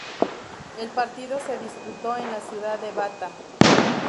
El partido se disputó en la ciudad de Bata.